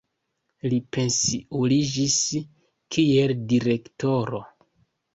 Li pensiuliĝis kiel direktoro.